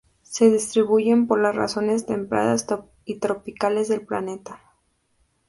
Se distribuyen por las zonas templadas y tropicales del planeta.